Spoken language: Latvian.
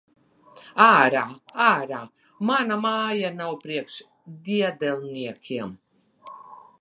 Ārā! Ārā! Mana māja nav priekš diedelniekiem!